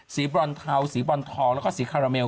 บรอนเทาสีบรอนทองแล้วก็สีคาราเมล